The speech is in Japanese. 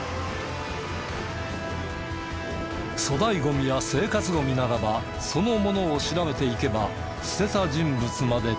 粗大ゴミや生活ゴミならばそのものを調べていけば捨てた人物までたどり着ける。